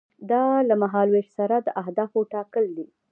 دا له مهال ویش سره د اهدافو ټاکل دي.